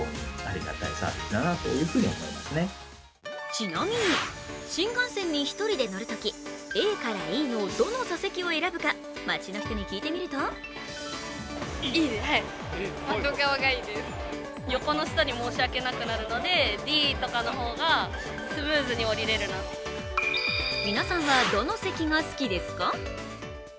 ちなみに、新幹線に１人で乗るとき、ＡからＥのどの座席を選ぶか街の人に聞いてみると皆さんはどの席が好きですか？